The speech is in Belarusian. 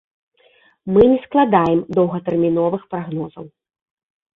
Мы не складаем доўгатэрміновых прагнозаў.